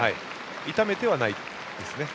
痛めてはないですね。